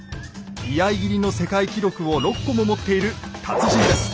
居合斬りの世界記録を６個も持っている達人です。